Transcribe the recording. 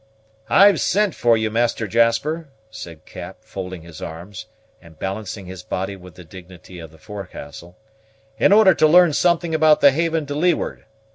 "I've sent for you, Master Jasper," said Cap, folding his arms, and balancing his body with the dignity of the forecastle, "in order to learn something about the haven to leeward.